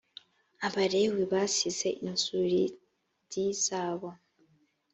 abalewi basize inzuri d zabo